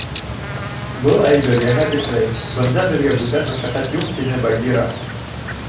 — Был әйбер йәһәт эшләй, бында беҙгә бүтән мәшәҡәт юҡ, — тине Багира.